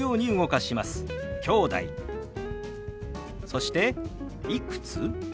そして「いくつ？」。